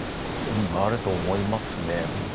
うんあると思いますね。